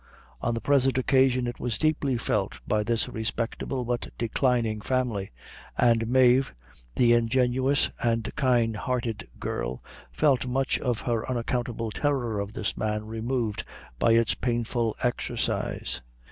On the present occasion it was deeply felt by this respectable but declining family, and Mave, the ingenuous and kind hearted girl, felt much of her unaccountable horror of this man removed by its painful exercise.